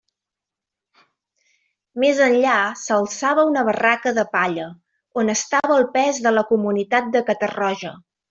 Més enllà s'alçava una barraca de palla, on estava el pes de la Comunitat de Catarroja.